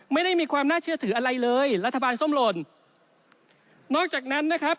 ไม่ได้มีความน่าเชื่อถืออะไรเลยรัฐบาลส้มหล่นนอกจากนั้นนะครับ